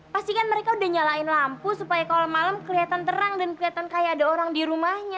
pastikan mereka udah nyalain lampu supaya kalau malam kelihatan terang dan kelihatan kayak ada orang di rumahnya